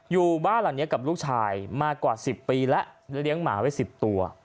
อยู่บ้านหลังนี้กับลูกชายมากว่า๑๐ปีแล้วเลี้ยงหมาไว้๑๐ตัว